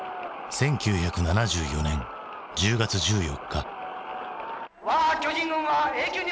１９７４年１０月１４日。